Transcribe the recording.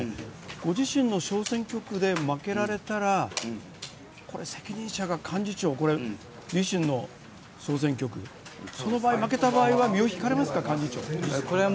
ご自身の小選挙区で負けられたら責任者が、幹事長、自身の総選挙区、負けた場合は身を引かれますか、幹事長。